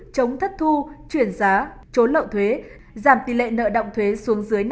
chống thất thu chuyển giá chốn lợi thuế giảm tỷ lệ nợ động thuế xuống dưới năm